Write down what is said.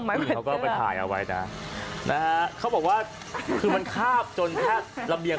ผู้หญิงเขาก็ไปถ่ายเอาไว้นะนะฮะเขาบอกว่าคือมันคาบจนแทบระเบียง